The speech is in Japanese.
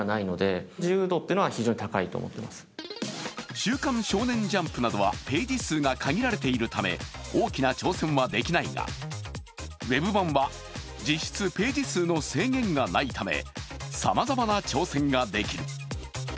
「週刊少年ジャンプ」などはページ数が限られているため大きな挑戦はできないが、ウェブ版は実質ページ数の制限がないため様々な挑戦ができる。